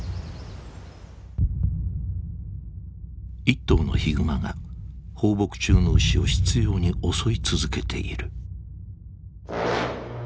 一頭のヒグマが放牧中の牛を執拗に襲い続けている。